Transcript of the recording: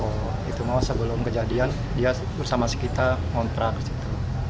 oh itu mau sebelum kejadian dia bersama sekitar ngontrak ke situ